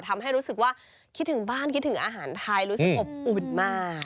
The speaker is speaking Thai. ทำให้รู้สึกว่าคิดถึงบ้านคิดถึงอาหารไทยรู้สึกอบอุ่นมาก